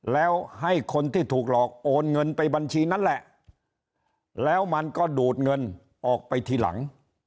แล้วให้คนที่ถูกหลอกโอนเงินไปบัญชีนั้นแหละแล้วมันก็ดูดเงินออกไปทีหลัง